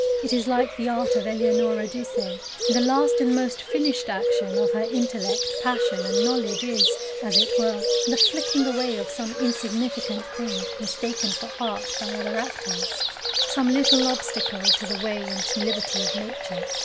It is like the art of Eleonora Duse. The last and most finished action of her intellect, passion, and knowledge is, as it were, the flicking away of some insignificant thing mistaken for art by other actors, some little obstacle to the way and liberty of Nature.